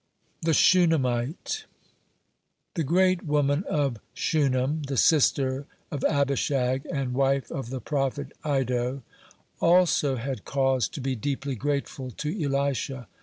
(9) THE SHUNAMMITE The great woman of Shunem, the sister of Abishag and wife of the prophet Iddo, (10) also had cause to be deeply grateful to Elisha.